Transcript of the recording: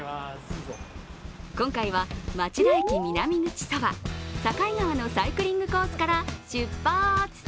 今回は町田駅南口そば境川サイクリングコースから出発。